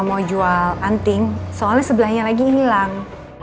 dijual anting soalnya sebelahnya lagi hilang